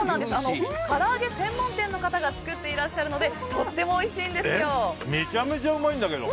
からあげ専門店の方が作っていらっしゃるのでめちゃめちゃうまいんだけど。